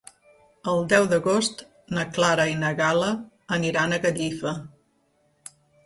El deu d'agost na Clara i na Gal·la aniran a Gallifa.